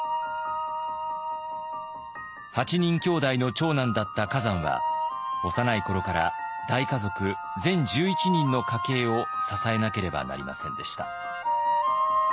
８人きょうだいの長男だった崋山は幼い頃から大家族全１１人の家計を支えなければなりませんでした。